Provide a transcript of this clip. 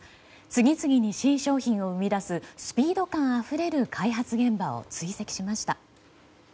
次々に新商品を生み出すスピード感ある開発現場を追跡しました。